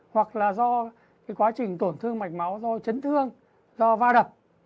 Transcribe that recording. hoặc là do quá trình tổn thương mạch máu do chấn thương do va đập